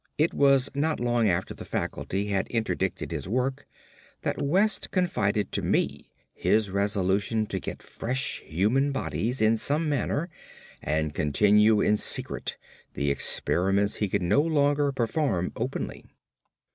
It was not long after the faculty had interdicted his work that West confided to me his resolution to get fresh human bodies in some manner, and continue in secret the experiments he could no longer perform openly.